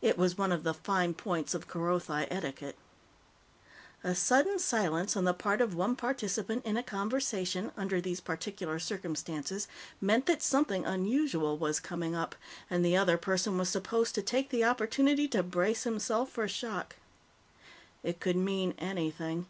It was one of the fine points of Kerothi etiquette. A sudden silence on the part of one participant in a conversation, under these particular circumstances, meant that something unusual was coming up, and the other person was supposed to take the opportunity to brace himself for shock. It could mean anything.